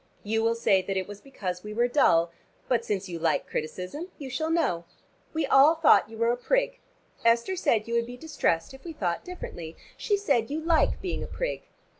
You will say that it was because we were dull. But since you like criticism you shall know. We all thought you were a prig. Esther said you would be distressed if we thought differently. She said you like being a prig.